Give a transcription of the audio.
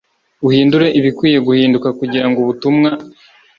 uhindure ibikwiye guhinduka kugira ngo ubutumwa